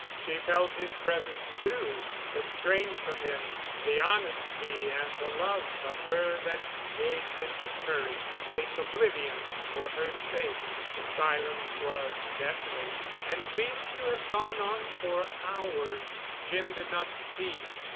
She felt his presence too—the strength of him—the honesty and the love of her that gave him the courage to face oblivion for her sake. The silence was deathly, and seemed to have gone on for hours. Jim did not speak.